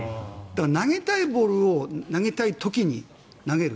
投げたいボールを投げたい時に投げる。